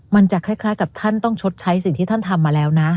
มันจะคล้ายกับท่านต้องชดใช้สิ่งที่ท่านทำมาแล้วนะ